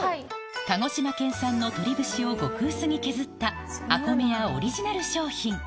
鹿児島県産の鶏節を極薄に削ったアコメヤオリジナル商品